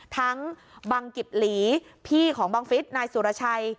บังกิบหลีพี่ของบังฟิศนายสุรชัย